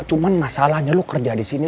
cuman masalahnya lo kerja disini